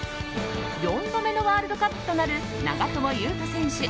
４度目のワールドカップとなる長友佑都選手